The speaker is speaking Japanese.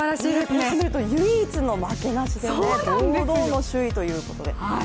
こうして見ると、唯一の負けなしで堂々の首位ということで。